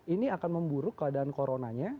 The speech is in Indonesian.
ini akan memburuk keadaan coronanya